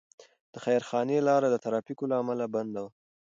د خیرخانې لاره د ترافیکو له امله بنده وه.